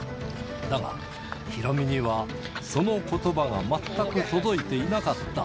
だが、ヒロミにはそのことばが全く届いていなかった。